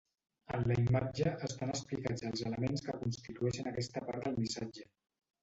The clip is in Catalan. En la imatge, estan explicats els elements que constitueixen aquesta part del missatge.